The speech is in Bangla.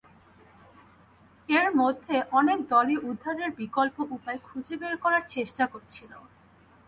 এর মধ্যে অনেক দলই উদ্ধারের বিকল্প উপায় খুঁজে বের করার চেষ্টা করছিল।